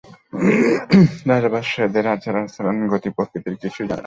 রাজা-বাদশাহদের আচার-আচরণ, গতি-প্রকৃতির কিছু জানে না।